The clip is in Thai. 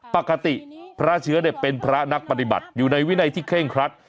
ปกติพระเชื้อเป็นพระนักปฏิบัติอยู่ในวินัยที่เคร่งครัด